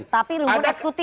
tapi lu berdiskutif